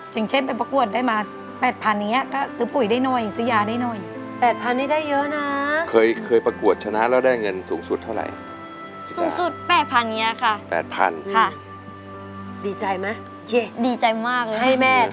ทีนี้เขาสร้างรายได้ให้คุณแม่